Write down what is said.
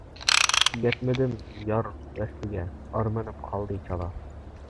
يەتمىدىم يار ۋەسلىگە، ئارمىنىم قالدى چالا.